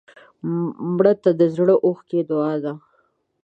مړه ته د زړه اوښکې دعا ده